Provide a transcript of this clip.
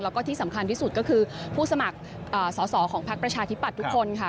แล้วก็ที่สำคัญที่สุดก็คือผู้สมัครสอสอของพักประชาธิปัตย์ทุกคนค่ะ